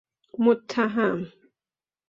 متهم